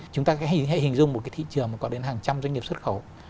chúng ta hình dung một cái thị trường mà có đến hàng trăm doanh nghiệp xuất khẩu